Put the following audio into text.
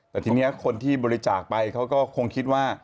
แต่ทีนี้คนที่บริจาคไปเขาก็คงคิดว่า